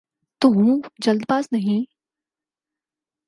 تو ہوں‘ جلد باز نہیں۔